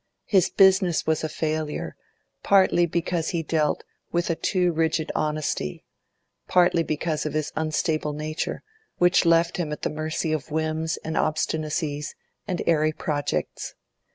His business was a failure, partly because he dealt with a too rigid honesty, partly because of his unstable nature, which left him at the mercy of whims and obstinacies and airy projects.